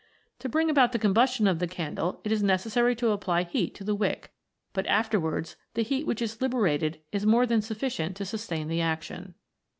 To bring about the combustion of the candle it is necessary to apply heat to the wick, but afterwards the heat which is liberated is more than sufficient to sustain the action.